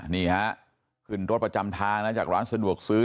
นี่ฮะขึ้นรถประจำทางนะจากร้านสะดวกซื้อ